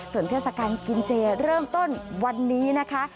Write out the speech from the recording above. ส่วนเทศกาลกินเจเริ่มต้นวันนี้นะคะ